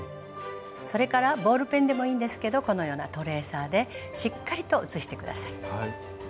それからボールペンでもいいんですけどこのようなトレーサーでしっかりと写して下さい。